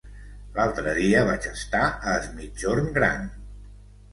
L'altre dia vaig estar a Es Migjorn Gran.